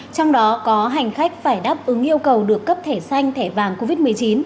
trong đó có hành khách phải đáp ứng yêu cầu được cấp thẻ xanh thẻ vàng covid một mươi chín